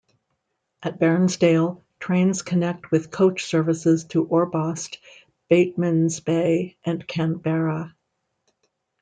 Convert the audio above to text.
At Bairnsdale trains connect with coach services to Orbost, Batemans Bay and Canberra.